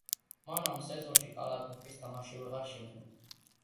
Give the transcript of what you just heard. მან ამ სეზონში კალათბურთის თამაში ვეღარ შეძლო.